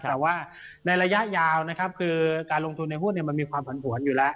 แต่ว่าในระยะยาวนะครับคือการลงทุนในหุ้นมันมีความผันผวนอยู่แล้ว